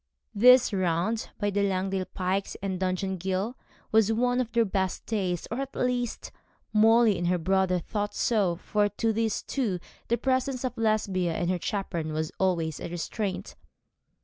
This round by the Langdale Pikes and Dungeon Ghyll was one of their best days; or, at least, Molly and her brother thought so; for to those two the presence of Lesbia and her chaperon was always a restraint.